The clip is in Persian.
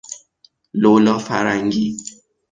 لولا فرنگی